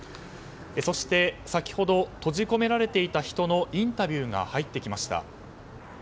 そして先ほど閉じ込められていた人のインタビューが入ってきました。